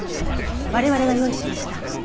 我々が用意しました。